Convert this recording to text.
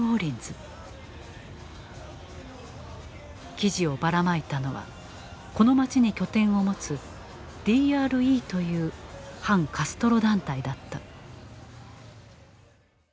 記事をばらまいたのはこの街に拠点を持つ「ＤＲＥ」という反カストロ団体だった。